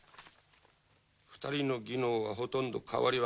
２人の技能はほとんど変わりはない。